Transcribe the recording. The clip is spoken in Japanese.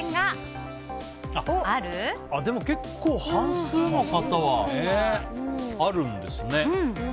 でも結構半数の方はあるんですね。